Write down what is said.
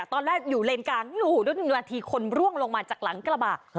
ตอนแรกอยู่เลนกลางนาทีคนร่วงลงมาจากหลังกระบะ